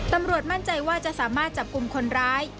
ตำรวจมั่นใจว่าจะสามารถจับกลุ่มคนร้าย